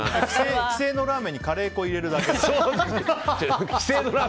既成のラーメンにカレー粉入れるだけとか。